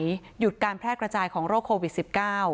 เพราะว่าเราต้องการแพร่กระจายของโรคโควิด๑๙